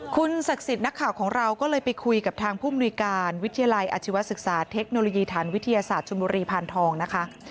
คุณศักดิ์สิทธิ์นักข่าวของเราก็เลยไปคุยกับทางผู้มนุยการวิทยาลัยอาชีวศึกษาเทคโนโลยีฐานวิทยาศาสตร์ชนบุรีพานทองนะคะ